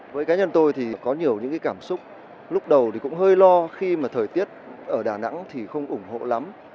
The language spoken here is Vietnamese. với cá nhân tôi thì có nhiều những cảm xúc lúc đầu thì cũng hơi lo khi mà thời tiết ở đà nẵng thì không ủng hộ lắm